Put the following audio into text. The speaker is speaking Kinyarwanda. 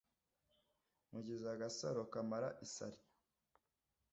nkugize agasaro kamara isari.